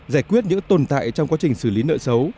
giải quyết những tồn tại trong quá trình xử lý nợ xấu